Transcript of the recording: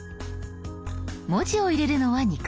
文字を入れるのは２か所。